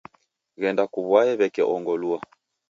Ghenda kuw'aye w'eke ongolua.